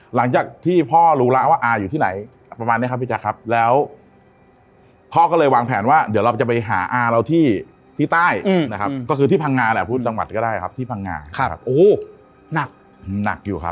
หลังจากที่พ่อรู้แล้วว่าอาอยู่ที่ไหนประมาณนี้ครับพี่แจ๊คครับแล้วพ่อก็เลยวางแผนว่าเดี๋ยวเราจะไปหาอาเราที่ใต้นะครับก็คือที่พังงาแหละพูดจังหวัดก็ได้ครับที่พังงาครับโอ้โหหนักหนักอยู่ครับ